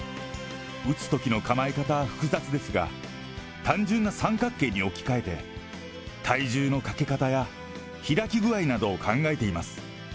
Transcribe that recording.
打つときの構え方は複雑ですが、単純な三角形に置き換えて、体重のかけ方や、開き具合などを考えています。